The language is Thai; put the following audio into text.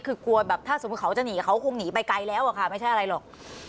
คือกลัวแบบถ้าสมมุติเขาจะหนีเขาคงหนีไปไกลแล้วอะค่ะไม่ใช่อะไรหรอก